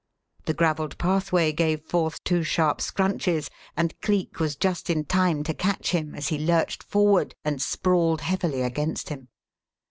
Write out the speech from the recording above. The gravelled pathway gave forth two sharp scrunches, and Cleek was just in time to catch him as he lurched forward and sprawled heavily against him.